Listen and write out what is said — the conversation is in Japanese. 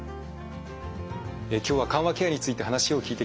今日は緩和ケアについて話を聞いてきました。